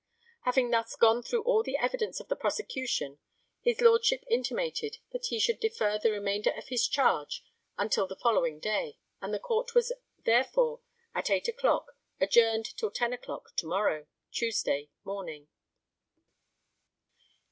Having thus gone through all the evidence for the prosecution, his Lordship intimated that he should defer the remainder of his charge until the following day; and the Court was therefore (at eight o'clock) adjourned till ten o'clock to morrow (Tuesday) morning.